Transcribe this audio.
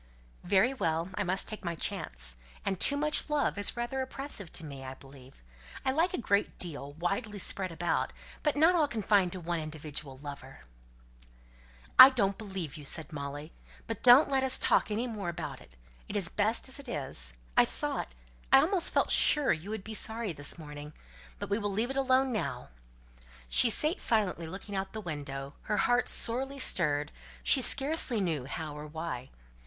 "Very well. I must take my chance. And too much love is rather oppressive to me, I believe. I like a great deal, widely spread about; not all confined to one individual lover." "I don't believe you," said Molly. "But don't let us talk any more about it. It is best as it is. I thought I almost felt sure you would be sorry this morning. But we will leave it alone now." She sate silently looking out of the window, her heart sorely stirred, she scarcely knew how or why.